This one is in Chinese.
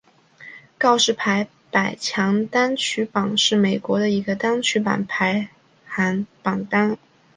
告示牌百强单曲榜是美国的一个单曲排行榜单。